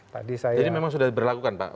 jadi memang sudah berlakukan pak